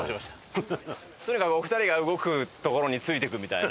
とにかくお二人が動くところについていくみたいな。